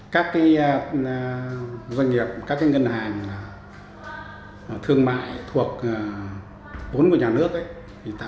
các doanh nghiệp các ngân hàng thương mại thuộc vốn của nhà nước tạo điều kiện rất tốt